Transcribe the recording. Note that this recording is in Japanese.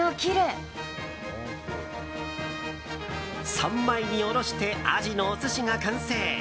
三枚におろしてアジのお寿司が完成。